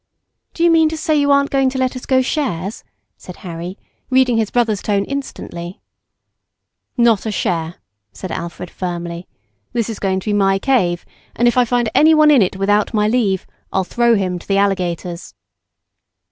"Do you mean to say you aren't going to let us go shares," said Harry, reading his brother's tone instantly. "Not a share," said Alfred firmly, "this is going to be my cave, and if I find anyone in it without my leave, I'll throw him to the alligators."